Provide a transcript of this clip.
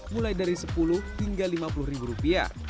mulai dari rp sepuluh hingga rp lima puluh